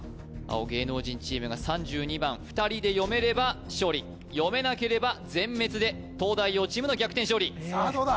青芸能人チームが３２番２人で読めれば勝利読めなければ全滅で東大王チームの逆転勝利さあどうだ？